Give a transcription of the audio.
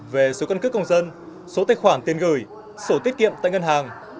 về số cân cứ công dân số tài khoản tiền gửi số tiết kiệm tại ngân hàng